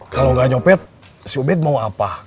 kalau nggak nyopet si ubed mau apa